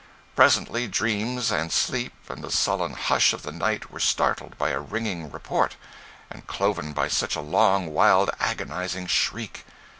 Presently, dreams and sleep and the sullen hush of the night were startled by a ringing report, and cloven by such a long, wild, agonizing shriek!